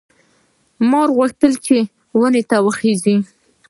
مار غوښتل چې ونې ته وخېژي.